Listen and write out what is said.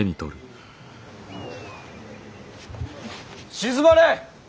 静まれ！